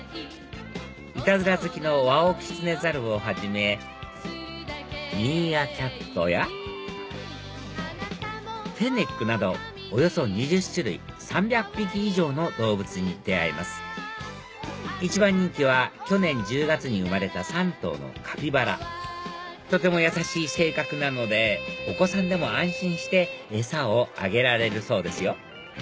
いたずら好きのワオキツネザルをはじめミーアキャットやフェネックなどおよそ２０種類３００匹以上の動物に出会えます一番人気は去年１０月に生まれた３頭のカピバラとても優しい性格なのでお子さんでも安心して餌をあげられるそうですよ